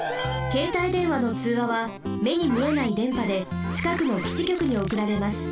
けいたい電話のつうわはめにみえない電波でちかくの基地局におくられます。